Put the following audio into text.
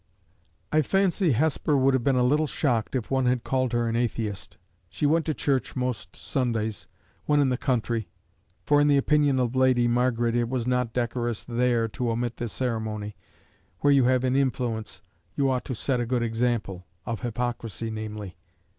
I fancy Hesper would have been a little shocked if one had called her an atheist. She went to church most Sundays when in the country; for, in the opinion of Lady Margaret, it was not decorous there to omit the ceremony: where you have influence you ought to set a good example of hypocrisy, namely!